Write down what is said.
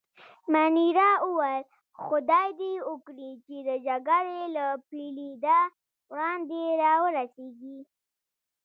منیرا وویل: خدای دې وکړي چې د جګړې له پېلېدا وړاندې را ورسېږي.